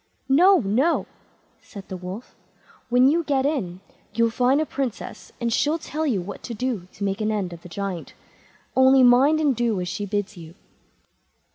"No! no!" said the Wolf; "when you get in you'll find a Princess, and she'll tell you what to do to make an end of the Giant. Only mind and do as she bids you."